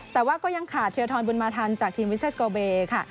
แต่ว่าก็ยังขาดเทียทรบุญมาทันจากทีมวิเซสโกเบค่ะ